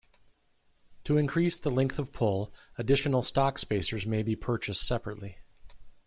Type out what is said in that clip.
To increase the length of pull, additional stock spacers may be purchased separately.